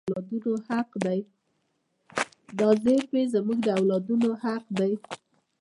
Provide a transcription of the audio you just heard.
دا زیرمې زموږ د اولادونو حق دی.